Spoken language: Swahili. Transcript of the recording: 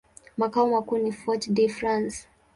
Makao makuu ni Fort-de-France.